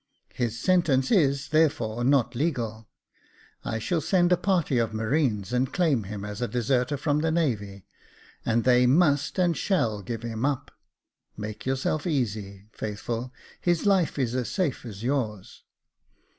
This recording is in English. His sentence is, therefore, not legal. I shall send a party of marines, and claim him as a deserter from the Navy, and they must and shall give him up — make yourself easy, Faithful, his life is as safe as yours."